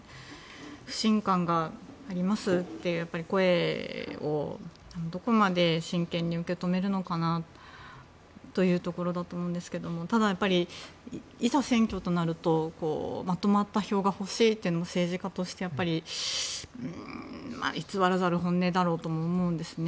不信感がありますっていう声をどこまで真剣に受け止めるのかなというところだと思うんですけどただ、いざ選挙となるとまとまった票が欲しいというのが政治家として偽らざる本音だと思うんですね。